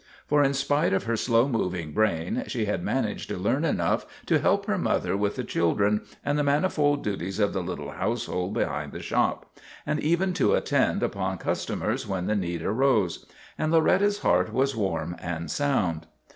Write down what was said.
For in spite of her slow moving brain she had managed to learn enough to help her mother with the children and the manifold duties of the little household behind the shop, and even to attend upon customers when the need arose. And Loretta's heart was warm and sound.